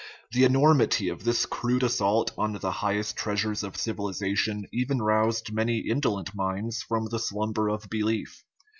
The enor mity of this crude assault on the highest treasures of civilization even roused many indolent minds from the slumber of belief.